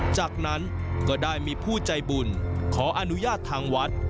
จากนั้นก็ได้มีผู้ใจบุญขออนุญาตทางวัด